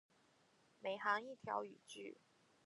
每行一条语句